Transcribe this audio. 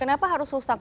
kenapa harus rusak